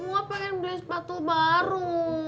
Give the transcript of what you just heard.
semua pengen beli sepatu baru